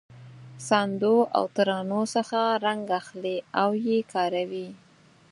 ساندو او ترانو څخه رنګ اخلي او یې کاروي.